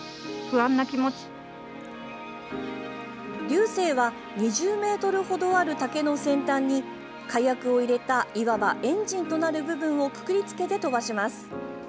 龍勢は２０ｍほどある竹の先端に火薬を入れたいわばエンジンとなる部分をくくりつけて飛ばします。